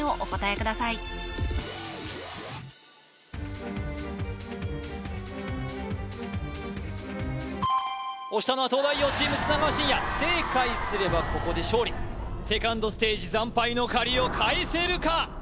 ください押したのは東大王チーム砂川信哉正解すればここで勝利セカンドステージ惨敗の借りを返せるか？